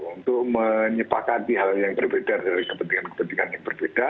untuk menyepakati hal yang berbeda dari kepentingan kepentingan yang berbeda